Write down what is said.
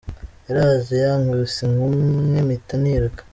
Yaraje yankubise ingumi imwe mpita niruka.